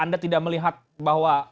anda tidak melihat bahwa